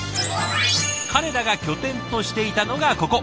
彼らが拠点としていたのがここ！